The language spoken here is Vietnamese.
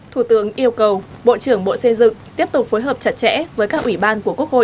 thủ tướng yêu cầu bộ trưởng bộ xây dựng tiếp tục phối hợp chặt chẽ với các ủy ban của quốc hội